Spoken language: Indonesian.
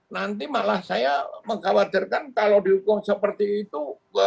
nanti malah saya mengkhawatirkan kalau dihukum seperti itu